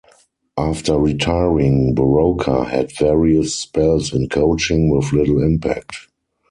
After retiring, Borowka had various spells in coaching, with little impact.